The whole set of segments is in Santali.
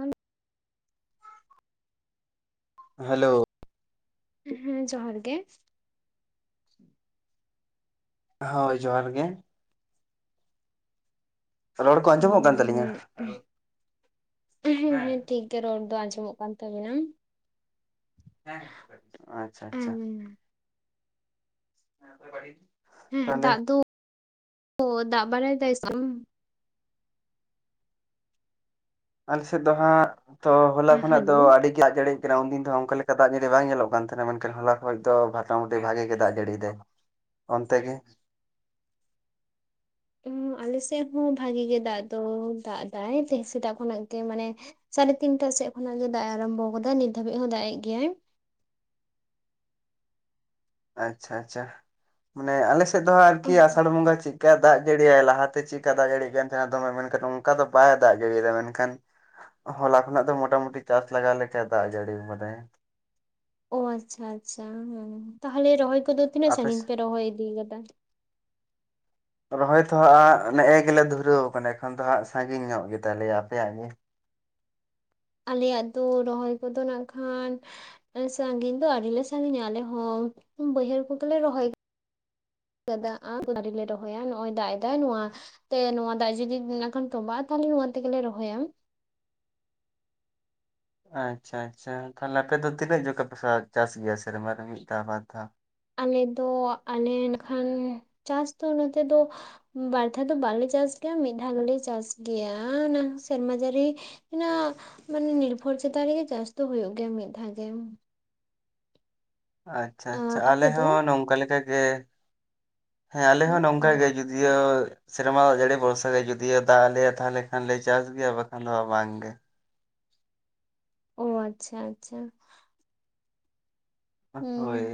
ᱟᱸᱛ ᱾ ᱦᱮᱞᱳ ᱩᱸᱜ ᱦᱩᱸ ᱡᱚᱦᱟᱨ ᱜᱮ ᱦᱳᱭ ᱡᱚᱦᱟᱨ ᱜᱮ ᱾ ᱨᱚᱲ ᱠᱚ ᱟᱸᱡᱚᱢᱚᱜ ᱠᱟᱱ ᱛᱟᱹᱞᱤᱧᱟ? ᱦᱩᱸ ᱦᱮᱸ ᱦᱩᱸ ᱴᱷᱤᱠ ᱜᱮ ᱨᱚᱲ ᱫᱚ ᱟᱸᱡᱚᱢᱚᱜ ᱠᱟᱱ ᱛᱟᱵᱤᱱᱟ᱾ ᱮᱸ ᱟᱸᱪᱪᱷᱟ ᱟᱸᱪᱪᱷᱟ ᱾ ᱦᱮᱸ ᱛᱚ ᱵᱟᱲᱤᱡ ᱾ ᱦᱮᱸ ᱫᱟᱜ ᱫᱚ ᱫᱟᱜ ᱵᱟᱲᱟᱭ ᱫᱟᱭ ᱥᱮ ᱟᱞᱮᱥᱮᱫ ᱫᱚ ᱦᱟᱸᱜ ᱛᱚ ᱦᱚᱞᱟ ᱠᱷᱚᱱᱟᱜ ᱫᱚ ᱦᱮᱞᱳ ᱟᱹᱰᱤ ᱫᱟᱜ ᱡᱟᱹᱲᱤ ᱠᱟᱱᱟ ᱩᱱᱫᱤᱱ ᱫᱚ ᱚᱱᱠᱟ ᱞᱮᱠᱟ ᱫᱟᱜ ᱡᱟᱹᱲᱤᱜ ᱠᱟᱱᱟ ᱩᱱᱫᱤᱱ ᱫᱚ ᱚᱱᱠᱟ ᱞᱮᱠᱟ ᱵᱟᱝ ᱧᱮᱞᱚᱜ ᱠᱟᱱ ᱛᱟᱦᱮᱱᱟ ᱢᱮᱱᱠᱷᱟᱱ ᱦᱚᱞᱟ ᱠᱷᱚᱡ ᱫᱚ ᱵᱷᱟᱴᱟᱢᱩᱴᱤ ᱵᱷᱟᱜᱮ ᱜᱮ ᱫᱟᱜ ᱡᱟᱹᱲᱤᱭᱮᱫᱟᱭ᱾ ᱚᱱᱛᱮ ᱜᱮ? ᱟᱞᱮ ᱥᱮᱫ ᱦᱚᱸ ᱵᱷᱟᱜᱮ ᱜᱮ ᱫᱟᱜ ᱫᱚ ᱫᱟᱜ ᱫᱟᱭ ᱛᱮᱦᱮᱧ ᱥᱮᱛᱟᱜ ᱠᱷᱚᱱᱟᱜ ᱜᱮ ᱢᱟᱱᱮ ᱥᱟᱲᱮ ᱛᱤᱱᱴᱟ ᱥᱮᱫ ᱠᱷᱚᱱᱟᱜ ᱜᱮ ᱫᱟᱜ ᱮ ᱟᱨᱟᱢᱵᱚ ᱟᱠᱟᱫᱟ ᱱᱤᱛ ᱫᱷᱟᱹᱵᱤᱡ ᱦᱚᱸ ᱫᱟᱜ ᱮᱜ ᱜᱮᱭᱟᱭ᱾ ᱟᱪᱪᱷᱟ ᱟᱪᱪᱷᱟ ᱢᱟᱱᱮ ᱟᱞᱮᱥᱮᱫ ᱫᱚ ᱟᱨᱠᱤ ᱟᱥᱟᱲ ᱵᱚᱸᱜᱟ ᱪᱮᱫ ᱪᱠᱟᱹ ᱫᱟᱜ ᱡᱟᱹᱲᱤᱭᱟᱭ ᱞᱟᱦᱟᱛᱮ ᱪᱮᱫᱠᱟ ᱫᱟᱜ ᱡᱟᱹᱲᱤᱭ ᱠᱟᱱ ᱛᱟᱦᱮᱱᱟ ᱫᱚᱢᱮ ᱢᱮᱱᱠᱷᱟᱱ ᱚᱱᱠᱟ ᱫᱚ ᱵᱟᱭ ᱫᱟᱜ ᱡᱟᱹᱲᱤᱭᱟᱫᱟ ᱢᱮᱱᱠᱷᱟᱱ᱾ ᱦᱚᱞᱟ ᱠᱷᱚᱱᱟᱜ ᱫᱚ ᱢᱚᱴᱟ-ᱢᱩᱴᱤ ᱪᱟᱥ ᱞᱟᱜᱟᱣ ᱞᱮᱠᱟ ᱫᱟᱜ ᱡᱟᱹᱲᱤ ᱠᱟᱫᱟᱭ ᱾ ᱳ ᱟᱪᱪᱷᱟ ᱟᱪᱪᱷᱟ ᱦᱸ ᱛᱟᱦᱚᱞᱮ ᱨᱚᱦᱚᱭ ᱠᱚᱫᱚ ᱛᱤᱱᱟᱹᱜ ᱟᱯᱮ ᱥᱟᱺᱜᱤᱧ ᱯᱮ ᱨᱚᱦᱚᱭ ᱤᱫᱤᱠᱟᱫᱟ ᱾ [inaudible] ᱨᱚᱦᱚᱭ ᱛᱚ ᱦᱟᱸᱜ ᱱᱮᱜ ᱮ ᱜᱮᱞᱮ ᱫᱷᱩᱨᱟᱹᱣ ᱟᱠᱟᱱᱟ ᱮᱠᱷᱚᱱ ᱫᱚ ᱦᱟᱸᱜ ᱥᱟᱺᱜᱤᱧ ᱧᱚᱜ ᱜᱮ ᱛᱟᱞᱮᱭᱟ ᱟᱯᱮᱭᱟᱜ ᱜᱮ? ᱟᱞᱮᱭᱟᱜ ᱫᱚ ᱨᱚᱦᱚᱭ ᱠᱚᱫᱚ ᱱᱟᱜ ᱠᱷᱟᱱ ᱥᱟᱺᱜᱤᱧ ᱫᱚ ᱟᱹᱰᱤ ᱞᱮ ᱥᱟᱺᱜᱤᱧᱟ ᱟᱞᱮ ᱦᱚᱸ ᱵᱟᱹᱭᱦᱟᱹᱲ ᱠᱚᱜᱮᱞᱮ ᱨᱚᱦᱚᱭ ᱠᱟᱫᱟ ᱟ ᱢ ᱫᱟᱨᱮ ᱞᱮ ᱨᱚᱦᱚᱭᱟ ᱱᱚᱜᱼᱚᱭ ᱫᱟᱜ ᱮᱫᱟᱭ ᱱᱚᱣᱟ ᱛᱮ ᱱᱚᱣᱟ ᱫᱟᱜ ᱡᱩᱫᱤ ᱱᱟᱜ ᱠᱷᱟᱱ ᱛᱚᱢᱵᱟᱜᱼᱟ ᱛᱟᱦᱚᱞᱮ ᱱᱚᱣᱟ ᱛᱮᱜᱮ ᱞᱮ ᱨᱚᱦᱚᱭᱟ᱾ ᱟᱸᱪᱪᱷᱟ ᱟᱸᱪᱪᱷᱟ ᱛᱟᱦᱚᱞᱮ ᱟᱯᱮ ᱫᱚ ᱛᱤᱱᱟᱹᱜ ᱡᱚᱠᱷᱟ ᱯᱮ ᱪᱟᱥ ᱜᱮᱭᱟ ᱥᱮᱨᱢᱟ ᱨᱮ ᱢᱤᱫ ᱫᱷᱟᱣ ᱵᱟᱨ ᱫᱷᱟᱣ? ᱟᱞᱮ ᱫᱚ ᱟᱞᱮ ᱱᱟᱠᱷᱟᱱ ᱪᱟᱥ ᱫᱚ ᱱᱚᱛᱮ ᱫᱚ ᱵᱟᱨ ᱫᱷᱟᱣ ᱫᱚ ᱵᱟᱞᱮ ᱪᱟᱥ ᱜᱮᱭᱟ ᱢᱤᱫ ᱫᱷᱟᱣ ᱜᱮᱞᱮ ᱪᱟᱥ ᱜᱮᱭᱟ ᱚᱱᱟ ᱦᱚᱸᱜ ᱥᱮᱨᱢᱟ ᱡᱟᱹᱲᱤ ᱤᱱᱟ ᱢᱟᱱᱮ ᱱᱤᱨᱵᱷᱚᱨ ᱪᱮᱛᱟᱱ ᱨᱮᱜᱮ ᱪᱟᱥ ᱫᱚ ᱦᱩᱭᱩᱜ ᱜᱮᱭᱟ ᱢᱤᱫ ᱫᱷᱟᱣ ᱡᱮᱦᱚᱸ᱾ ᱟᱸᱪᱪᱷᱟ ᱟᱸᱪᱪᱷᱟ ᱟᱸ ᱟᱯᱮ ᱟᱞᱮ ᱫᱚ ᱦᱚᱸ ᱱᱚᱝᱠᱟ ᱞᱮᱠᱟ ᱜᱮ ᱦᱮᱸ ᱟᱞᱮ ᱦᱚᱸ ᱱᱚᱝᱠᱟ ᱜᱮ ᱡᱩᱫᱤᱭᱳ ᱥᱮᱨᱢᱟ ᱫᱟᱜ ᱡᱟᱹᱲᱤ ᱵᱷᱚᱨᱥᱟ ᱜᱮ ᱡᱩᱫᱤᱭᱳ ᱫᱟᱜ ᱟᱞᱮᱭᱟ ᱛᱟᱦᱚᱞᱮ ᱠᱷᱟᱱ ᱞᱮ ᱪᱟᱥ ᱜᱮᱭᱟ ᱵᱟᱠᱷᱟᱱ ᱫᱚ ᱵᱟᱝ ᱜᱮ᱾ ᱳ ᱟᱸᱪᱪᱷᱟ ᱟᱸᱪᱪᱷᱟ ᱾ ᱦᱳᱭ ᱦᱩᱸ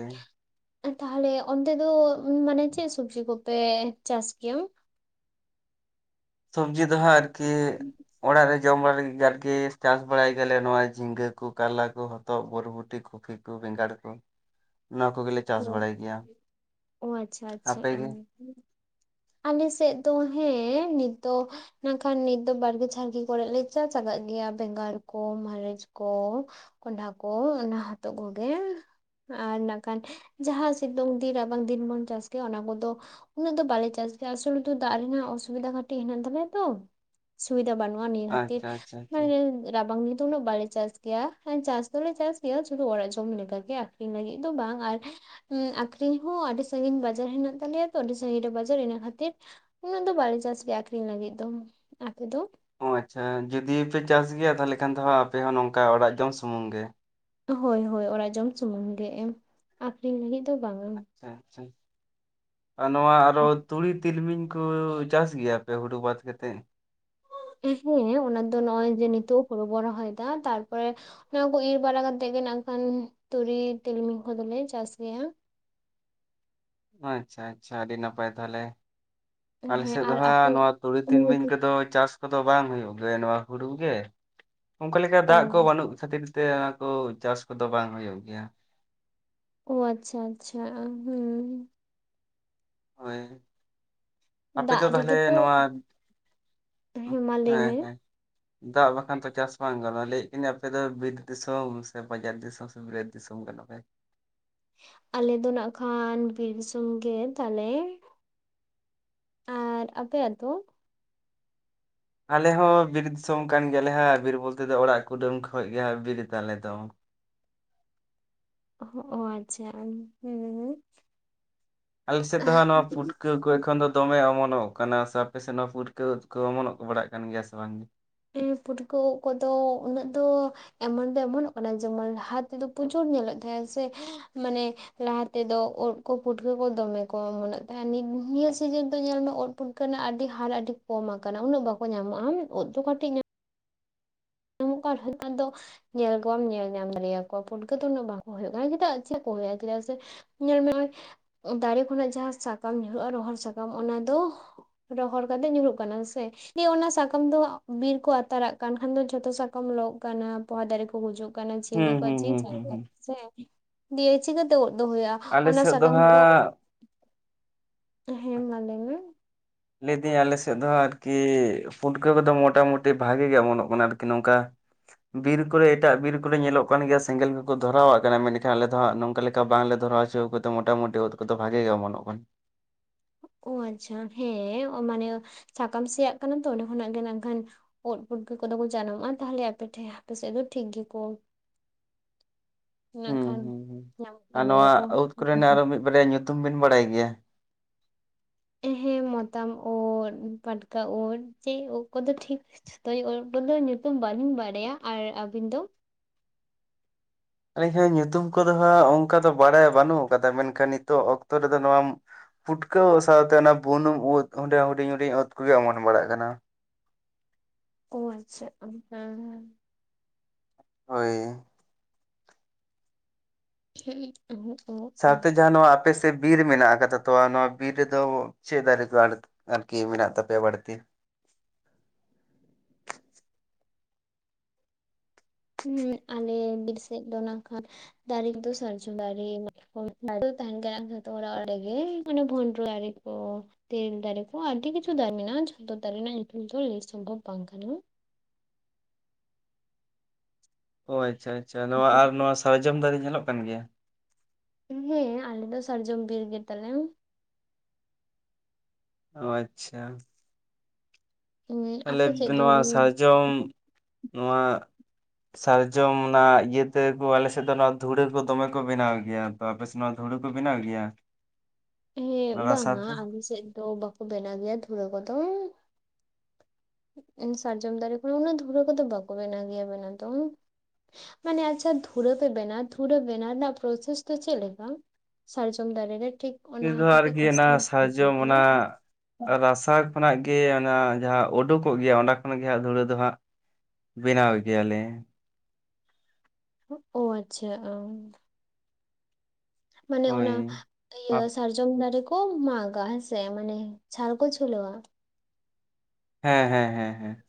ᱟᱨ ᱛᱟᱦᱚᱞᱮ ᱚᱱᱛᱮ ᱫᱚ ᱢᱟᱱᱮ ᱪᱮᱫ ᱥᱚᱵᱡᱤ ᱠᱚᱯᱮ ᱪᱟᱥ ᱜᱮᱭᱟ? ᱥᱚᱵᱡᱤ ᱫᱚᱦᱟᱸᱜ ᱟᱨᱠᱤ ᱚᱲᱟᱜ ᱨᱮ ᱡᱚᱢ ᱵᱟᱲᱟ ᱞᱟᱹᱜᱤᱫ ᱜᱮ ᱟᱨᱠᱤ ᱜᱮ ᱪᱟᱥ ᱵᱟᱲᱟᱭ ᱜᱮᱭᱟᱞᱮ ᱱᱚᱣᱟ ᱡᱷᱤᱸᱜᱟᱹ ᱠᱚ ᱠᱟᱨᱞᱟ, ᱠᱚ ᱦᱚᱛᱚᱫ, ᱵᱚᱨᱵᱚᱴᱤ, ᱠᱚᱯᱤ, ᱠᱚ ᱵᱮᱸᱜᱟᱲ ᱠᱚ ᱱᱚᱣᱟ ᱠᱚᱜᱮ ᱞᱮ ᱚ ᱚ ᱟᱪᱪᱷᱟ ᱟᱪᱪᱷᱟ ᱟᱯᱮ ᱜᱮ ᱟᱞᱮ ᱥᱮᱫ ᱫᱚ ᱦᱮᱸ ᱱᱤᱛᱫᱚ ᱢᱮᱱᱠᱷᱟᱱ ᱱᱤᱛ ᱫᱚ ᱵᱟᱲᱜᱮ ᱡᱷᱟᱲᱜᱮ ᱠᱚᱨᱮ ᱞᱮ ᱪᱟᱥ ᱟᱠᱟᱫ ᱜᱮᱭᱟ ᱵᱮᱸᱜᱟᱲ ᱠᱚ ᱢᱟᱹᱨᱤᱪ ᱠᱚ ᱠᱚᱸᱰᱷᱟ ᱠᱚ ᱚᱱᱟ ᱦᱚᱛᱚᱜ ᱠᱚᱜᱮ ᱟᱨ [unintelligible] ᱡᱟᱦᱟᱸ ᱥᱤᱛᱩᱝ ᱫᱤᱱ ᱨᱟᱵᱟᱝ ᱫᱤᱱ ᱵᱚᱱ ᱪᱟᱥ ᱜᱮᱭᱟ ᱚᱱᱟ ᱠᱚᱫᱚ ᱩᱱᱟᱹᱜ ᱫᱚ ᱵᱟᱞᱮ ᱪᱟᱥ ᱜᱮᱭᱟ ᱟᱥᱚᱞᱚ ᱫᱟᱜ ᱨᱮᱱᱟᱜ ᱚᱥᱩᱵᱤᱫᱟ ᱠᱟᱹᱴᱤᱡ ᱦᱮᱱᱟᱜ ᱛᱟᱞᱮᱭᱟ ᱛᱚ ᱾ ᱥᱩᱵᱤᱫᱷᱟ ᱵᱟᱹᱱᱩᱜᱼᱟ ᱱᱤᱭᱟᱹ ᱠᱷᱟᱹᱛᱤᱨ ᱟᱪᱪᱷᱟ ᱟᱪᱪᱷᱟ ᱟᱪᱪᱷᱟ ᱢᱟᱱᱮ ᱨᱟᱵᱟᱝ ᱨᱮᱫᱚ ᱩᱱᱟᱹᱜ ᱵᱟᱞᱮ ᱪᱟᱥ ᱜᱮᱭᱟ ᱾ ᱪᱟᱥ ᱫᱚᱞᱮ ᱪᱟᱥ ᱜᱮᱭᱟ ᱥᱩᱫᱩ ᱚᱲᱟᱜ ᱡᱚᱢ ᱞᱮᱠᱟᱜᱮ ᱟᱠᱷᱨᱤᱧ ᱞᱟᱹᱜᱤᱫ ᱫᱚ ᱵᱟᱝ ᱟᱨ ᱟᱠᱷᱨᱤᱧ ᱦᱚᱸ ᱟᱹᱰᱤ ᱥᱟᱹᱜᱤᱧ ᱵᱟᱡᱟᱨ ᱢᱮᱱᱟᱜ ᱛᱟᱞᱮᱭᱟ ᱛᱚ ᱟᱹᱰᱤ ᱥᱟᱹᱜᱤᱧ ᱨᱮ ᱵᱟᱡᱟᱨ ᱤᱱᱟᱹ ᱠᱷᱟᱹᱛᱤᱨ ᱩᱱᱟᱹᱜ ᱫᱚ ᱵᱟᱞᱮ ᱪᱟᱥ ᱜᱮᱭᱟ ᱟᱠᱷᱨᱤᱧ ᱞᱟᱹᱜᱤᱫ ᱫᱚ, ᱟᱯᱮ ᱫᱚ? ᱚ ᱟᱪᱪᱷᱟ ᱡᱩᱫᱤ ᱯᱮ ᱪᱟᱥ ᱜᱮᱭᱟ ᱛᱟᱦᱚᱞᱮ ᱠᱷᱟᱱ ᱫᱚ ᱦᱟᱜ ᱟᱯᱮ ᱦᱚᱸ ᱱᱚᱝᱠᱟ ᱚᱲᱟᱜ ᱡᱚᱢ ᱥᱩᱢᱩᱝ ᱜᱮ᱾ ᱦᱚᱭ ᱦᱚᱭ ᱚᱲᱟᱜ ᱡᱚᱢ ᱥᱩᱢᱩᱝ ᱜᱮ ᱮᱢ ᱟᱠᱷᱨᱤᱧ ᱞᱟᱹᱜᱤᱫ ᱫᱚ ᱵᱟᱝ-ᱟ᱾ [unintelligible] ᱟᱪᱪᱷᱟ ᱟᱨ ᱱᱚᱣᱟ ᱟᱨᱚ ᱛᱩᱲᱤ ᱛᱤᱞᱢᱤᱧ ᱠᱚ ᱪᱟᱥ ᱜᱮᱭᱟᱯᱮ ᱦᱩᱲᱩ ᱵᱟᱫ ᱠᱟᱛᱮᱫ? ᱦᱮᱸ, ᱚᱱᱟ ᱫᱚ ᱱᱚᱜᱼᱚᱭ ᱡᱮ ᱱᱤᱛᱚᱜ ᱦᱩᱲᱩ ᱵᱚᱱ ᱨᱚᱦᱚᱭ ᱮᱫᱟ, ᱛᱟᱨᱯᱚᱨᱮ ᱚᱱᱟ ᱠᱚ ᱤᱨ ᱵᱟᱲᱟ ᱠᱟᱛᱮᱫ ᱜᱮ ᱱᱟᱝᱠᱷᱟᱱ ᱛᱩᱲᱤ ᱛᱤᱞᱢᱤᱧ ᱠᱚ ᱫᱚᱞᱮ ᱪᱟᱥ ᱜᱮᱭᱟ᱾ ᱟᱪᱪᱷᱟ ᱟᱪᱪᱷᱟ, ᱟᱹᱰᱤ ᱱᱟᱯᱟᱭ ᱛᱟᱦᱚᱞᱮ᱾ ᱟᱞᱮ ᱦᱮᱸ ᱥᱮᱫ ᱫᱚ ᱟᱨ ᱦᱟᱸᱜ ᱟᱯᱮ ᱱᱚᱣᱟ ᱛᱩᱲᱤ ᱛᱤᱱᱢᱤᱧ ᱠᱚᱫᱚ ᱪᱟᱥ ᱠᱚᱫᱚ ᱵᱟᱝ ᱦᱩᱭᱩᱜ ᱜᱮᱭᱟ, ᱱᱚᱣᱟ ᱦᱩᱲᱩ ᱜᱮ ᱚᱱᱠᱟ ᱞᱮᱠᱟ ᱫᱟᱜ ᱠᱚ ᱚ ᱵᱟᱹᱱᱩᱜ ᱠᱷᱟᱹᱛᱤᱨ ᱛᱮ ᱟᱫᱚ ᱪᱟᱥ ᱠᱚᱫᱚ ᱵᱟᱝ ᱦᱩᱭᱩᱜ ᱜᱮᱭᱟ ᱾ ᱳ ᱟᱪᱪᱷᱟ ᱟᱪᱪᱷᱟ ᱦᱩᱸ ᱦᱚᱭ ᱟᱯᱮ ᱫᱟᱜ ᱫᱚ ᱨᱮᱜᱮ ᱛᱟᱦᱚᱞᱮ ᱛᱚ ᱱᱚᱣᱟ ᱢᱟ ᱞᱟᱹᱭ ᱦᱮᱸ ᱢᱮ ᱦᱮᱸ ᱫᱟᱜ ᱵᱟᱱᱠᱷᱟᱱ ᱛᱚ ᱪᱟᱥ ᱵᱟᱝ ᱜᱟᱱᱚᱜᱼᱟ ᱾ᱞᱟᱹᱭ ᱮᱫ ᱛᱟᱦᱮᱸᱱᱟ ᱟᱯᱮ ᱫᱚ ᱵᱤᱨ ᱫᱤᱥᱚᱢ ᱥᱮ ᱵᱟᱡᱟᱨ ᱫᱤᱥᱚᱢ ‍? [unintelligible] ᱫᱤᱥᱚᱢ ᱠᱟᱱᱟ ᱞᱮ ᱟᱞᱮ ᱫᱚ ᱱᱟᱝᱠᱷᱟᱱ ᱵᱤᱨ ᱫᱤᱥᱚᱢ ᱜᱮ ᱛᱟᱞᱮ᱾ ᱟᱨ ᱟᱯᱮᱭᱟᱜ ᱫᱚ? ᱟᱞᱮ ᱦᱚᱸ ᱵᱤᱨ ᱫᱤᱥᱚᱢ ᱠᱟᱱ ᱜᱮᱭᱟᱞᱮ ᱦᱟᱸᱜ ᱵᱤᱨ ᱵᱚᱞᱛᱮ ᱚᱲᱟᱜ ᱠᱩᱰᱟᱹᱢ ᱠᱷᱚᱱ ᱜᱮ ᱵᱤᱨ ᱛᱟᱞᱮ ᱫᱚ᱾ ᱚ ᱟᱪᱪᱷᱟ, ᱦᱮᱻ ᱟᱞᱮ ᱥᱮᱫ ᱫᱚ ᱦᱟᱸᱜ ᱱᱚᱣᱟ ᱯᱩᱴᱠᱟᱹ ᱠᱚ ᱮᱠᱷᱚᱱ ᱫᱚ ᱫᱚᱢᱮ ᱚᱢᱚᱱᱚᱜ ᱠᱟᱱᱟ ᱥᱮ ᱟᱯᱮ ᱥᱮᱫ ᱦᱚᱸ ᱯᱩᱴᱠᱟᱹ ᱠᱚ ᱚᱢᱚᱱᱚᱜ ᱵᱟᱲᱟᱜ ᱠᱟᱱ ᱜᱮᱭᱟ ᱥᱮ ᱵᱟᱝ? ᱦᱮᱸ ᱯᱩᱴᱠᱟᱹ ᱠᱚᱫᱚ ᱩᱱᱟᱹᱜ ᱫᱚ, ᱚᱢᱚᱱ ᱫᱚ ᱚᱢᱚᱱᱚᱜ ᱠᱟᱱᱟ ᱡᱮᱢᱚᱱ ᱞᱟᱦᱟ ᱛᱮᱫᱚ ᱯᱨᱚᱪᱩᱨ ᱧᱮᱞᱚᱜ ᱛᱟᱦᱮᱸᱱ ᱥᱮ ᱢᱟᱱᱮ ᱞᱟᱦᱟ ᱛᱮ ᱫᱚ ᱩᱫᱽ ᱠᱚ ᱯᱩᱴᱠᱟᱹ ᱠᱚ ᱫᱚᱢᱮ ᱠᱚ ᱚᱢᱚᱱᱚᱜ ᱛᱟᱦᱮᱸᱱᱟ ᱱᱤᱭᱟᱹ ᱥᱤᱡᱤᱱ ᱫᱚ ᱧᱮᱞ ᱢᱮ ᱩᱫᱽ ᱯᱩᱴᱠᱟᱹ ᱨᱮᱱᱟᱜ ᱟᱹᱰᱤ ᱦᱟᱨ ᱟᱹᱰᱤ ᱠᱚᱢ ᱟᱠᱟᱱᱟ ᱩᱱᱟᱹᱜ ᱵᱟᱠᱚ ᱧᱟᱢᱚᱜᱼᱟ, ᱩᱫ ᱫᱚ ᱠᱟᱹᱴᱤᱡ ᱧᱟᱢᱚᱜ ᱾ [unintelligible] ᱧᱮᱞ ᱠᱚᱣᱟᱢ ᱧᱮᱞ ᱧᱟᱢ ᱫᱟᱲᱮᱭ ᱟᱠᱚᱣᱟ᱾ ᱯᱩᱴᱠᱟᱹ ᱫᱚ ᱩᱱᱟᱹᱜ ᱵᱟᱝᱠᱚ ᱦᱩᱭᱩᱜ ᱠᱟᱱᱟ ᱪᱮᱫᱟᱜ ᱪᱮ ᱪᱮᱫ ᱠᱚ ᱦᱩᱭᱩᱜᱼᱟ ᱪᱮᱫᱟᱜ ᱥᱮ, ᱧᱮᱞ ᱢᱮ ᱫᱟᱨᱮ ᱠᱷᱚᱱᱟᱜ ᱡᱟᱦᱟᱸ ᱥᱟᱠᱟᱢ ᱧᱩᱨᱩᱜᱼᱟ ᱨᱚᱦᱚᱲ ᱥᱟᱠᱟᱢ ᱚᱱᱟ ᱫᱚ ᱨᱚᱦᱚᱲ ᱠᱟᱛᱮᱫ ᱧᱩᱨᱩᱜ ᱠᱟᱱᱟ ᱥᱮ ᱚᱱᱟ ᱥᱟᱠᱟᱢ ᱫᱚ ᱵᱤᱨ ᱠᱚ ᱟᱛᱟᱨᱟᱜ ᱠᱟᱱ ᱠᱷᱟᱱ ᱫᱚ ᱡᱷᱚᱛᱚ ᱥᱟᱠᱟᱢ ᱠᱚ ᱞᱚᱜ ᱠᱟᱱᱟ ᱯᱚᱦᱟ ᱫᱟᱨᱮ ᱠᱚ ᱜᱩᱡᱩᱜ ᱠᱟᱱᱟ, ᱦᱩᱸ ᱡᱤᱭᱟᱹᱞᱤ ᱠᱚᱣᱟᱜ ᱦᱩᱸ ᱡᱤᱣᱤ ᱦᱩᱸ ᱦᱩᱸ ᱪᱟᱞᱟᱜ ᱠᱟᱱᱟ ᱦᱩᱸ᱾ ᱥᱮ ᱫᱤᱭᱮ ᱪᱤᱠᱟᱹᱛᱮ ᱩᱫ ᱫᱚ ᱦᱩᱭᱩᱜᱼᱟ ᱟᱞᱮ ᱚᱱᱟ ᱥᱮᱫ ᱫᱚ ᱥᱟᱠᱟᱢ ᱠᱚ᱾ ᱦᱟᱸᱜ ᱦᱮᱸ, ᱢᱟ ᱞᱟᱹᱭ ᱢᱮ ᱞᱟᱹᱭ ᱮᱫᱟᱹᱧ ᱟᱞᱮ ᱥᱮᱫ ᱫᱚ ᱟᱨᱠᱤ ᱯᱩᱴᱠᱟᱹ ᱠᱚᱫᱚ ᱢᱳᱴᱟ-ᱢᱩᱴᱤ ᱵᱷᱟᱜᱮ ᱜᱮ ᱚᱢᱚᱱᱼᱚᱜ ᱠᱟᱱᱟ, ᱟᱨᱠᱤ ᱱᱚᱝᱠᱟ ᱵᱤᱨ ᱠᱚᱨᱮ ᱮᱴᱟᱜ ᱵᱤᱨ ᱠᱚᱨᱮ ᱧᱮᱞᱚᱜ ᱠᱟᱱ ᱜᱮᱭᱟ ᱥᱮᱸᱜᱮᱞ ᱠᱚᱠᱚ ᱫᱷᱚᱨᱟᱣᱼᱟᱜ ᱠᱟᱱᱟ, ᱢᱮᱱᱠᱷᱟᱱ ᱟᱞᱮ ᱫᱚ ᱦᱟᱸᱜ ᱱᱚᱝᱠᱟ ᱞᱮᱠᱟ ᱵᱟᱝᱞᱮ ᱫᱷᱚᱨᱟᱣ ᱰᱚ ᱠᱚ ᱛ [unintelligible] ᱢᱳᱴᱟ-ᱢᱩᱴᱤ ᱩᱫᱽ ᱠᱚᱫᱚ ᱵᱷᱟᱜᱮ ᱜᱮ ᱚᱢᱚᱱᱚᱜ ᱠᱟᱱᱟ᱾ ᱚ ᱟᱪᱪᱷᱟ, ᱦᱮᱸ ᱢᱟᱱᱮ ᱥᱟᱠᱟᱢ ᱥᱮᱭᱟᱜ ᱠᱟᱱᱟ ᱛᱚ ᱚᱸᱰᱮ ᱠᱷᱚᱱᱟᱜ ᱜᱮ ᱱᱟᱝᱠᱷᱟᱱ ᱩᱫᱽ ᱯᱩᱴᱠᱟᱹ ᱠᱚᱫᱚ ᱠᱚ ᱡᱟᱱᱟᱢᱚᱜᱼᱟ ᱛᱟᱦᱚᱞᱮ ᱟᱯᱮ ᱴᱷᱮᱡ ᱟᱯᱮ ᱥᱮᱫ ᱫᱚ ᱴᱷᱤᱠ ᱜᱮᱠᱚ ᱦᱩᱸ ᱢᱮᱱᱠᱷᱟᱱ ᱦᱩᱸ ᱦᱩᱸ ᱧᱟᱢᱚᱜ ᱠᱟᱱ ᱜᱮᱭᱟ ᱠᱚ᱾ ᱯᱟᱞᱮᱫ ᱧᱩᱛᱩᱢ ᱵᱤᱱ ᱵᱟᱲᱟᱭ ᱜᱮᱭᱟ? ᱦᱮᱸ ᱢᱚᱛᱟᱢ ᱩᱫ, ᱯᱟᱴᱠᱟ ᱩᱫ ᱪᱮ ᱩᱫ ᱠᱚᱫᱚ ᱴᱷᱤᱠ ᱥᱤᱛᱟᱹᱭ ᱩᱜ ᱠᱚᱫᱚ ᱧᱩᱛᱩᱢ ᱵᱟᱹᱞᱤᱧ ᱵᱟᱰᱟᱭᱟ, ᱟᱨ ᱟᱹᱵᱤᱱ ᱫᱚ‍? ᱟᱹᱞᱤᱧ ᱦᱚᱸ ᱧᱩᱛᱩᱢ ᱠᱚᱫᱚ ᱦᱟᱸᱜ ᱚᱱᱠᱟ ᱫᱚ ᱵᱟᱲᱟᱭ ᱵᱟᱹᱱᱩᱜ ᱟᱠᱟᱫᱟ, ᱢᱮᱱᱠᱷᱟᱱ ᱱᱤᱛᱚᱜ ᱚᱠᱛᱚ ᱨᱮᱫᱚ ᱱᱟᱢ ᱯᱩᱴᱠᱟᱹ ᱩᱜ ᱥᱟᱶᱛᱮ ᱚᱱᱟ ᱵᱩᱱᱩᱢ ᱩᱫᱽ ᱚᱸᱰᱮ ᱦᱩᱰᱤᱧ ᱦᱩᱰᱤᱧ ᱩᱫᱽ ᱠᱚᱜᱮ ᱚᱢᱚᱱ ᱵᱟᱲᱟᱜ ᱠᱟᱱᱟ᱾ ᱚ ᱟᱪᱪᱷᱟ, ᱮᱸ ᱦᱮᱸ ᱦᱮᱸ᱾ ᱦᱳᱭ᱾ [unintelligible] ᱥᱟᱶᱛᱮ ᱡᱟᱦᱟᱸ ᱱᱚᱣᱟ ᱟᱯᱮ ᱥᱮᱫ ᱵᱤᱨ ᱢᱮᱱᱟᱜ ᱟᱠᱟᱫᱟ ᱛᱚ ᱟᱨ ᱱᱚᱣᱟ ᱵᱤᱨ ᱨᱮᱫᱚ ᱪᱮᱫ ᱫᱟᱨᱮ ᱠᱚ ᱟᱲ ᱟᱨᱠᱤ ᱢᱮᱱᱟᱜ ᱛᱟᱯᱮᱭᱟ ᱵᱟᱹᱲᱛᱤ‍? ᱦᱩᱸ ᱟᱞᱮ ᱵᱤᱨ ᱥᱮᱫ ᱫᱚ ᱱᱟᱠᱷᱟᱱ ᱫᱟᱨᱮ ᱠᱚᱫᱚ ᱥᱟᱨᱡᱚᱢ ᱫᱟᱨᱮ [unintelligible] ᱛᱟᱦᱮᱱ ᱜᱮ [unintelligible] ᱚᱰᱮ ᱜᱮ ᱢᱟᱱᱮ ᱵᱷᱳᱱᱰᱨᱚ ᱫᱟᱨᱮ ᱠᱚ᱾ ᱛᱮᱨᱮᱞ ᱫᱟᱨᱮ ᱠᱚ ᱟᱹᱰᱤ ᱠᱤᱪᱷᱩ ᱫᱟᱨᱮ ᱢᱮᱱᱟᱜᱼᱟ, ᱡᱷᱚᱛᱚ ᱫᱟᱨᱮ ᱨᱮᱱᱟᱜ ᱧᱩᱛᱩᱢ ᱫᱚ ᱞᱟᱹᱭ ᱥᱚᱢᱵᱷᱚᱵ ᱵᱟᱝ ᱠᱟᱱᱟ᱾ ᱚ ᱟᱪᱪᱷᱟ, ᱟᱪᱪᱷᱟ, ᱱᱚᱣᱟ ᱟᱨ ᱱᱚᱣᱟ ᱥᱟᱨᱡᱚᱢ ᱫᱟᱨᱮ ᱧᱮᱞᱚᱜ ᱠᱟᱱ ᱜᱮᱭᱟ? ᱦᱮᱸ, ᱟᱞᱮ ᱫᱚ ᱥᱟᱨᱡᱚᱢ ᱵᱤᱨ ᱜᱮ ᱛᱟᱞᱮ᱾ ᱚ ᱟᱪᱪᱷᱟ᱾ ᱟᱞᱮ ᱟᱯᱮ ᱥᱮᱫ ᱫᱚ ᱱᱚᱣᱟ ᱥᱟᱨᱡᱚᱢ ᱱᱚᱣᱟ ᱥᱟᱨᱡᱚᱢ ᱚᱱᱟ ᱤᱭᱟᱹ ᱛᱮ ᱠᱚ ᱟᱞᱮ ᱥᱮᱫ ᱫᱚ ᱚᱱᱟ ᱫᱷᱩᱲᱟᱹ ᱠᱚ ᱫᱚᱢᱮ ᱠᱚ ᱵᱮᱱᱟᱣ ᱜᱮᱭᱟ᱾ ᱛᱚ ᱟᱯᱮ ᱥᱮ ᱱᱚᱣᱟ ᱫᱷᱩᱲᱟᱹ ᱠᱚ ᱵᱮᱱᱟᱣ ᱜᱮᱭᱟ? ᱤᱭᱟᱹ ᱚᱱᱟ ᱨᱟᱥᱟ ᱵᱟᱝᱟ ᱛᱮ ᱟᱞᱮ ᱥᱮᱡ ᱫᱚ ᱵᱟᱠᱚ ᱵᱮᱱᱟᱣ ᱜᱮᱭᱟ ᱫᱷᱩᱲᱟᱹ ᱠᱚᱫᱚ᱾ ᱤᱧ ᱥᱟᱨᱡᱚᱢ ᱫᱟᱨᱮ ᱠᱷᱚ ᱩᱱᱟᱹᱜ ᱫᱷᱩᱲᱟᱹ ᱠᱚᱫᱚ ᱵᱟᱠᱚ ᱵᱮᱱᱟᱣ ᱜᱮᱭᱟ ᱵᱚᱱᱮ ᱫᱚ᱾ ᱢᱟᱱᱮ ᱟᱪᱪᱷᱟ ᱫᱷᱩᱨᱟᱹ ᱯᱮ ᱵᱮᱱᱟᱣ ᱫᱷᱩᱨᱟᱹ ᱵᱮᱱᱟᱣ ᱨᱮᱱᱟᱜ ᱯᱨᱚᱥᱮᱥ ᱫᱚ ᱪᱮᱜ ᱞᱮᱠᱟ? ᱥᱟᱨᱡᱚᱢ ᱫᱟᱨᱮ ᱨᱮ ᱴᱷᱤᱠ᱾ ᱤ ᱚᱱᱟ ᱫᱚ ᱠᱟᱹᱴᱤᱡ ᱟᱨᱠᱤ ᱚᱱᱟ ᱠᱚᱥᱪᱮᱱ ᱥᱟᱨᱡᱚᱢ ᱚᱱᱟ ᱟ ᱨᱟᱥᱟ ᱠᱷᱚᱱᱟᱜ ᱜᱮ ᱚᱱᱟ ᱡᱟᱦᱟᱸ ᱳᱰᱳ ᱠᱚᱜ ᱜᱮᱭᱟ ᱚᱸᱰᱟ ᱠᱷᱚᱱ ᱜᱮ ᱦᱟᱸᱜ ᱫᱷᱩᱲᱟᱹ ᱫᱚ ᱦᱟᱸᱜ ᱵᱮᱱᱟᱣ ᱜᱮᱭᱟ ᱞᱮ᱾ ᱚ ᱟᱪᱪᱷᱟ, ᱚᱸ᱾ ᱢᱟᱱᱮ ᱦᱳᱭ ᱚᱱᱟ ᱤᱭᱟᱹ ᱥᱟᱨᱡᱚᱢ ᱫᱟᱨᱮ ᱠᱚ ᱢᱟᱜᱟ ᱦᱮᱸᱥᱮ ᱢᱟᱱᱮ ᱪᱷᱟᱞ ᱠᱚ ᱪᱷᱩᱞᱟᱹᱣᱟ᱾ ᱦᱮᱸ, ᱦᱮᱸ, ᱦᱮᱸ, ᱦᱮᱸ᱾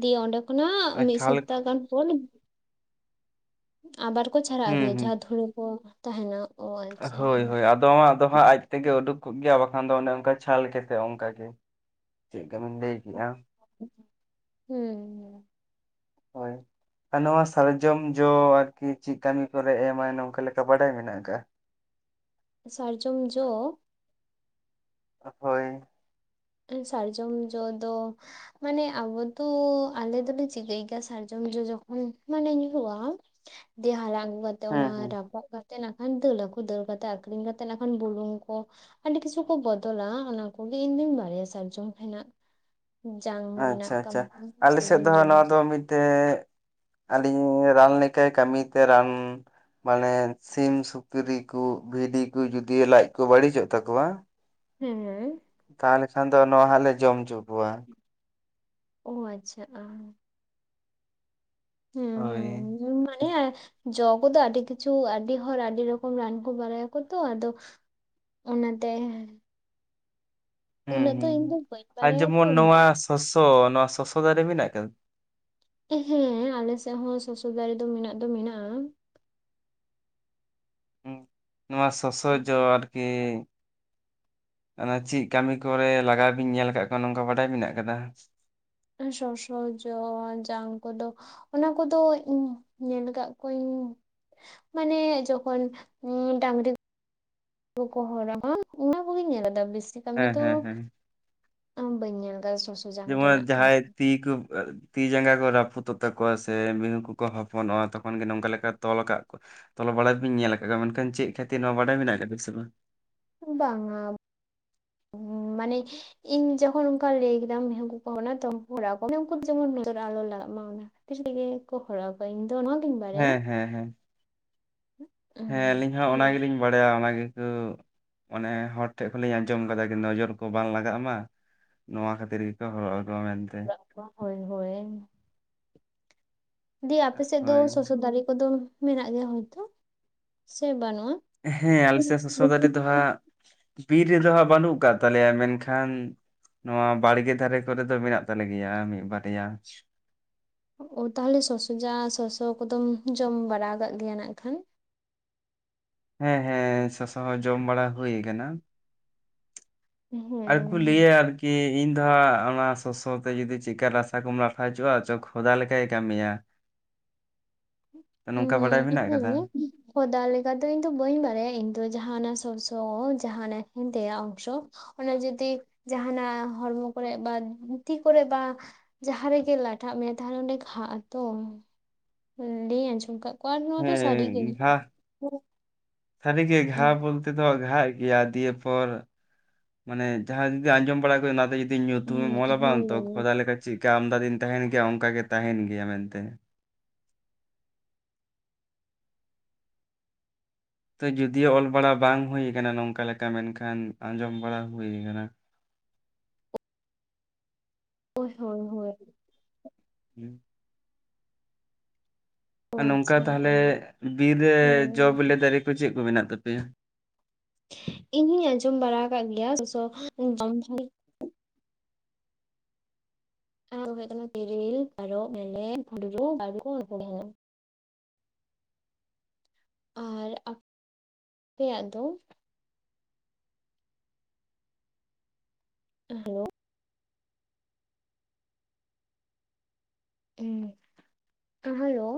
ᱫᱤᱭᱮ ᱚᱸᱰᱮ ᱠᱷᱚᱱᱟᱜ ᱟᱨ ᱢᱤᱜ ᱪᱷᱟᱞ ᱥᱚᱯᱛᱟ ᱜᱟᱱ ᱯᱚᱨ ᱟᱵᱟᱨ ᱠᱚ ᱪᱷᱟᱨᱟ ᱦᱩᱸ ᱟᱹᱜᱩᱭᱟ ᱦᱩᱸ ᱡᱟᱦᱟᱸ ᱫᱷᱩᱲᱟᱹ ᱠᱚ ᱛᱟᱦᱮᱱᱟ ᱚᱱᱟ᱾ ᱦᱳᱭ, ᱦᱳᱭ, ᱟᱫᱚᱢᱟᱜ ᱫᱚ ᱦᱟᱸᱜ ᱟᱡ ᱛᱮᱜᱮ ᱩᱰᱩᱠ ᱠᱟᱜ ᱜᱮᱭᱟ ᱟᱨ ᱵᱟᱠᱷᱟᱱ ᱫᱚ ᱚᱱᱮ ᱚᱱᱠᱟ ᱪᱷᱟᱞ ᱠᱮᱛᱮᱜ ᱚᱱᱠᱟ ᱜᱮ᱾ ᱪᱮᱜᱠᱟ ᱵᱮᱱ ᱞᱟᱹᱭ ᱠᱮᱜᱼᱟ᱾ ᱦᱩᱸᱻ᱾ [inaudible] ᱟ ᱱᱚᱣᱟ ᱥᱟᱨᱡᱚᱢ ᱡᱚ ᱟᱨᱠᱤ ᱪᱤᱜ ᱠᱟᱹᱢᱤ ᱠᱚᱨᱮ ᱮᱢᱟᱭ ᱱᱚᱝᱠᱟ ᱞᱮᱠᱟ ᱵᱟᱰᱟᱭ ᱢᱮᱱᱟᱜ ᱟᱠᱟᱜᱼᱟ? ᱥᱟᱨᱡᱚᱢ ᱡᱚ᱾ ᱦᱚ ᱟᱹ ᱥᱟᱨᱡᱚᱢ ᱡᱚ ᱫᱚ ᱢᱟᱱᱮ ᱟᱵᱚ ᱫᱚ ᱟᱞᱮ ᱫᱚᱞᱮ ᱪᱤᱠᱟᱹᱭ ᱜᱮᱭᱟ ᱥᱟᱨᱡᱚᱢ ᱡᱚ ᱡᱚᱠᱷᱚᱱ ᱢᱟᱱᱮ ᱧᱩᱨᱦᱩᱜᱼᱟ᱾ ᱫᱮ ᱦᱟᱞᱟᱝ ᱟᱹᱜᱩ ᱠᱟᱛᱮ ᱦᱩᱸ ᱚᱱᱟ ᱦᱩᱸ ᱨᱟᱯᱟᱜ ᱠᱟ ᱛᱮ ᱱᱟᱠᱷᱟᱱ ᱫᱟᱹᱞᱟ ᱠᱩ ᱫᱟᱹᱞ ᱠᱟᱛᱮ ᱟᱠᱷᱨᱤᱧ ᱠᱟᱛᱮ ᱱᱟᱜᱠᱷᱟᱱ ᱵᱩᱞᱩᱝ ᱠᱚ ᱟᱹᱰᱤ ᱠᱤᱪᱷᱩ ᱠᱚ ᱵᱚᱫᱚᱞᱟ ᱚᱱᱟ ᱠᱚᱜᱮ ᱤᱧ ᱫᱩᱧ ᱵᱟᱲ ᱱᱚᱣᱟ ᱥᱟᱨᱡᱚᱢ ᱠᱷᱚᱱᱟᱜ ᱡᱟᱝ ᱨᱮᱱᱟᱜ ᱟᱪᱪᱷᱟ ᱠᱟᱹᱢᱤ ᱥᱟᱨᱡᱚᱢ ᱡᱚ ᱛᱮ ᱟᱹᱞᱤᱧ ᱨᱟᱱ ᱞᱮᱠᱟᱭ ᱠᱟᱹᱢᱤ ᱛᱮ ᱨᱟᱱ ᱢᱟᱱᱮ ᱥᱤᱢ, ᱥᱩᱠᱨᱤ ᱠᱩ ᱵᱷᱤᱰᱤ ᱠᱩ ᱡᱩᱫᱤ ᱞᱟᱡ ᱠᱚ ᱵᱟᱹᱲᱤᱪᱚᱜ ᱛᱟᱠᱚᱣᱟ ᱦᱮᱸᱻ᱾ ᱛᱟᱦᱚᱞᱮ ᱠᱷᱟᱱ ᱫᱚ ᱱᱚᱣᱟ ᱦᱟᱸᱜ ᱞᱮ ᱡᱚᱢ ᱪᱩ ᱠᱩᱣᱟ᱾ ᱚ ᱟᱪᱪᱷᱟ, ᱟᱸ᱾ ᱦᱮᱸ ᱦᱳᱭ ᱦᱮᱸ ᱡᱚᱢ ᱵᱟᱰᱟᱭᱟ ᱡᱚ ᱠᱚᱫᱚ ᱟᱹᱰᱤ ᱠᱤᱪᱷᱩ ᱟᱹᱰᱤ ᱦᱚᱨ ᱟᱹᱰᱤ ᱨᱚᱠᱚᱢ ᱨᱟᱱ ᱠᱚ ᱵᱟᱨᱟᱭᱟᱠᱚ ᱛᱚ, ᱟᱫᱚ ᱚᱱᱟᱛᱮᱸ ᱦᱩᱸ ᱩᱱᱟᱹᱜ ᱫᱚ ᱦᱩᱸ ᱤᱧ ᱫᱚ ᱵᱟᱹᱧ ᱟᱨ ᱵᱟᱲᱟᱭᱟ ᱛᱚ ᱡᱮᱢᱚᱱ ᱱᱚᱣᱟ ᱥᱚᱥᱚ ᱱᱚᱣᱟ ᱥᱚᱥᱚ ᱫᱟᱨᱮ ᱢᱮᱱᱟᱜ ᱠᱟᱫᱟ᱾ ᱦᱮᱸ ᱟᱞᱮ ᱥᱮ ᱦᱚᱸ ᱥᱚᱥᱚ ᱫᱟᱨᱮ ᱫᱚ ᱢᱮᱱᱟᱜ ᱫᱚ ᱢᱮᱱᱟᱜᱼᱟ᱾ ᱱᱚᱣᱟ ᱥᱚᱥᱚ ᱡᱚ ᱟᱨᱠᱤ ᱚᱱᱟ ᱪᱤ ᱠᱟᱹᱢᱤ ᱠᱚᱨᱮ ᱞᱟᱜᱟᱣ ᱵᱤᱱ ᱧᱮᱞ ᱠᱟᱜ ᱠᱚᱣᱟ ᱱᱚᱝᱠᱟ ᱵᱟᱰᱟᱭ ᱢᱮᱱᱟᱜ ᱠᱟᱫᱟ᱾ ᱥᱚᱥᱚ ᱡᱚ ᱡᱟᱝ ᱠᱚᱫᱚ ᱚᱱᱟ ᱠᱚᱫᱚ ᱤᱧ ᱧᱮᱞ ᱠᱟᱜ ᱠᱚᱣᱟᱹᱧ ᱢᱟᱱᱮ ᱡᱚᱠᱷᱚᱱ ᱰᱟᱺᱝᱨᱤ ᱠᱚ ᱦᱚᱨᱟ ᱚᱱᱟ ᱠᱚᱜᱮᱧ ᱧᱮᱞᱫᱟ ᱵᱮᱥᱤ ᱠᱟᱹᱢᱤ ᱦᱮᱸ ᱫᱚ ᱦᱮᱸ ᱦᱮᱸ ᱢᱟ ᱵᱟᱹᱧ ᱧᱮᱞ ᱫᱟ ᱥᱚᱥ ᱡᱮᱢᱚᱱ ᱡᱟᱦᱟᱸᱭ ᱛᱤ ᱠᱩ ᱛᱤ ᱡᱟᱸᱜᱟ ᱠᱚ ᱨᱟᱹᱯᱩᱫᱚᱜ ᱛᱟᱠᱚᱣᱟ ᱥᱮ ᱢᱤᱸᱦᱩ ᱠᱚᱠᱚ ᱦᱚᱯᱚᱱᱚᱜᱼᱟ ᱛᱚᱠᱷᱚᱱ ᱜᱮ ᱱᱚᱝᱠᱟ ᱞᱮᱠᱟ ᱛᱚᱞ ᱠᱟᱜ ᱛᱚᱞ ᱵᱟᱲᱟ ᱵᱤᱱ ᱧᱮᱞ ᱠᱟᱜ ᱠᱚ ᱢᱮᱱᱠᱷᱟᱱ ᱪᱮᱫ ᱠᱷᱟᱹᱛᱤᱨ ᱱᱚᱣᱟ ᱵᱟᱰᱟᱭ ᱢᱮᱱᱟ ᱠᱟᱫᱟ ᱥᱮ ᱵᱟᱝ ᱵᱟᱝᱟ ᱢᱟᱱᱮ ᱤᱧ ᱡᱚᱠᱷᱚᱱ ᱚᱱᱠᱟ ᱞᱟᱹᱭ ᱠᱮᱫᱟᱢ ᱢᱮᱸᱦᱩ ᱠᱚᱠᱚ [unintelligible] ᱛᱚ ᱩᱱ ᱫᱚ ᱡᱮᱢᱚᱱ ᱱᱚᱡᱚᱨ ᱟᱞᱚ ᱞᱟᱜᱟᱜ ᱢᱟ ᱚᱱᱟ᱾ ᱛᱤᱥ ᱛᱮᱜᱮ ᱠᱚ ᱦᱚᱲᱚᱜᱼᱟ ᱤᱧ ᱫᱚ ᱱᱚᱣᱟ ᱜᱤᱧ ᱵᱟᱲᱟᱭᱟ᱾ ᱦᱮᱸ ᱦᱮᱸ ᱦᱮᱸ ᱩᱸ ᱦᱮᱸ ᱟᱞᱤᱧ ᱦᱚᱸ ᱚᱱᱟ ᱦᱩᱸ ᱜᱮᱞᱤᱧ ᱵᱟᱲᱟᱭᱟ ᱚᱱᱟ ᱜᱮᱠᱚ ᱢᱟᱱᱮ ᱦᱚᱲ ᱴᱷᱮᱡ ᱠᱷᱚᱱ ᱞᱤᱧ ᱟᱸᱡᱚᱢ ᱠᱟᱫᱟ ᱠᱤ ᱱᱚᱡᱚᱨ ᱠᱚ ᱵᱟᱝ ᱞᱟᱜᱟᱜ ᱢᱟ᱾ ᱱᱚᱣᱟ ᱠᱷᱟᱹᱛᱤᱨ ᱜᱮᱠᱚ ᱦᱚᱨᱚᱜ ᱟᱠᱚᱣᱟ ᱢᱮᱱᱫᱟ [unintelligible] ᱦᱳᱭ ᱦᱳᱭ ᱫᱤᱭᱮ ᱟᱯᱮ ᱥᱮᱫ ᱫᱚ ᱦᱳᱭ ᱥᱚᱥᱚ ᱫᱟᱨᱮ ᱠᱚᱫᱚ ᱢᱮᱱᱟᱜ ᱜᱮᱭᱟ ᱦᱳᱭᱛᱚ ᱥᱮ ᱵᱟᱹᱱᱩᱜᱼᱟ? ᱦᱮᱸ ᱟᱞᱮ ᱥᱮᱫ ᱥᱚᱥᱚ ᱫᱟᱨᱮ ᱫᱚ ᱦᱟᱸᱜ ᱵᱤᱨ ᱨᱮᱫᱚ ᱦᱟᱸᱜ ᱵᱟᱹᱱᱩᱜ ᱟᱠᱟᱫ ᱛᱟᱞᱮᱭᱟ ᱢᱮᱱᱠᱷᱟᱱ ᱱᱚᱣᱟ ᱵᱟᱲᱜᱮ ᱫᱷᱟᱨᱮ ᱠᱚᱨᱮ ᱫᱚ ᱢᱮᱱᱟᱜ ᱛᱟᱞᱮ ᱜᱮᱭᱟ ᱢᱤᱫ ᱵᱟᱨᱭᱟ᱾ ᱚ ᱛᱟᱦᱚᱞᱮ ᱥᱚᱥᱚ ᱡᱟᱝ ᱥᱚᱥᱚ ᱠᱚᱫᱚᱢ ᱡᱚᱢ ᱵᱟᱲᱟ ᱟᱠᱟᱜ ᱜᱮᱭᱟ ᱱᱟᱜ ᱠᱷᱟᱱ? ᱦᱮᱸ ᱦᱮᱸ ᱥᱚᱥᱚ ᱦᱚᱸ ᱡᱚᱢ ᱵᱟᱲᱟ ᱦᱩᱭᱩ ᱟᱠᱟᱱᱟ᱾ ᱟᱨ ᱠᱚ ᱞᱟᱹᱭᱟ ᱦᱮᱸ ᱟᱨᱠ ᱠᱤ ᱤᱧ ᱫᱚ ᱦᱟᱸᱜ ᱚᱱᱟ ᱥᱚᱥᱚ ᱛᱮ ᱡᱩᱫᱤ ᱪᱮᱫᱠᱟ ᱨᱟᱥᱟ ᱠᱚᱢ ᱞᱟᱴᱷᱟ ᱦᱚᱪᱚᱼᱟ ᱪᱚ ᱠᱷᱚᱫᱟ ᱞᱮᱠᱟᱭ ᱠᱟᱹᱢᱤᱭᱟ᱾ [unintelligible] ᱱᱚᱝᱠᱟ ᱵᱟᱰᱟᱭ ᱢᱮᱱᱟᱜ ᱦᱩᱸ ᱟᱠᱟᱫᱟ ᱠᱷᱚᱫᱟ ᱞᱮᱠᱟ ᱫᱚ ᱤᱧ ᱫᱚ ᱵᱟᱹᱧ ᱵᱟᱲᱟᱭᱟ ᱤᱧ ᱫᱚ ᱡᱟᱦᱟᱸ ᱥᱚᱲᱥᱚ ᱡᱟᱦᱟᱸ ᱮᱱᱮ ᱦᱮᱱᱫᱮᱭᱟᱜ ᱚᱝᱥᱚ ᱚᱱᱟ ᱡᱩᱫᱤ ᱡᱟᱦᱟᱱᱟᱜ ᱦᱚᱲᱢᱚ ᱠᱚᱨᱮ ᱵᱟ ᱛᱤ ᱠᱚᱨᱮ ᱵᱟ ᱡᱟᱦᱟᱸ ᱨᱮᱜᱮ ᱞᱟᱴᱷᱟᱜ ᱢᱮᱭᱟ ᱛᱟᱦᱚᱞᱮ ᱚᱸᱰᱮ ᱜᱷᱟᱜ ᱟ ᱛᱚ᱾ ᱞᱟᱹᱭ ᱟᱸᱡᱚᱢ ᱠᱟᱜ ᱠᱚᱣᱟ ᱱᱚᱣᱟ ᱫᱚ ᱥᱟᱹᱨᱤ ᱜᱮ ᱥᱟᱹᱨᱤ ᱜᱮ ᱜᱷᱟ ᱦᱮᱸ ᱵᱚᱞ ᱛᱮᱫᱚ ᱜᱷᱟᱜ ᱜᱮᱭᱟ ᱫᱤᱭᱮ ᱯᱚᱨ ᱢᱟᱱᱮ ᱡᱟᱦᱟᱸ ᱡᱩᱫᱤ ᱟᱸᱡᱚᱢ ᱵᱟᱲᱟ ᱠᱚᱜ ᱚᱱᱟ ᱫᱚ ᱫᱤ ᱧᱩᱛᱩᱢ ᱚᱞᱟ ᱵᱟᱝ ᱛᱚ ᱦᱳᱭ ᱠᱷᱚᱫᱟ ᱞᱮᱠᱟ ᱪᱮᱫ ᱠᱟ ᱟᱢᱫᱟ ᱫᱤᱱ ᱛᱟᱦᱮᱱ ᱜᱮᱭᱟ ᱚᱱᱠᱟ ᱜᱮ ᱛᱟᱦᱮᱱ ᱜᱮᱭᱟ ᱢᱮᱱᱛᱮ᱾ ᱛᱚ ᱡᱩᱫᱤᱭᱳ ᱚᱞ ᱵᱟᱲᱟ ᱵᱟᱝ ᱦᱩᱭ ᱟᱠᱟᱱᱟ ᱱᱚᱝᱠᱟ ᱞᱮᱠᱟ ᱢᱮᱱᱠᱷᱟᱱ ᱟᱸᱡᱚᱢ ᱵᱟᱲᱟ ᱦᱩᱭᱩ ᱟᱠᱟᱱᱟ᱾ ᱦᱳᱭ ᱦᱳᱭ ᱦᱳᱭ [unintelligible] ᱚ ᱟᱨ ᱱᱚᱝᱠᱟ ᱟᱪᱪᱷᱟ ᱛᱟᱦᱚᱞᱮ ᱵᱤᱨ ᱨᱮ ᱡᱚ ᱦᱮᱸ ᱵᱤᱞᱤ ᱫᱟᱨᱮ ᱠᱚ ᱪᱮᱫ ᱠᱚ ᱢᱮᱱᱟᱜ ᱛᱟᱯᱮᱭᱟ‍? ᱤᱧ ᱦᱚᱧ ᱟᱸᱡᱚᱢ ᱵᱟᱲᱟ ᱠᱟᱜ ᱜᱮᱭᱟ ᱥᱚᱥᱚ [unintelligible] ᱱᱚᱣᱟ ᱠᱚᱫᱚ ᱦᱩᱭᱩᱜ ᱠᱟᱱᱟ ᱛᱤᱨᱤᱞ, ᱛᱟᱨᱟᱨ ᱢᱮᱨᱞᱮᱡᱽ [unintelligible] ᱟᱨ ᱟ-ᱯᱮᱭᱟᱜ ᱫᱚ? ᱦᱮᱞᱳ ᱦᱩᱸ ᱦᱟᱞᱳ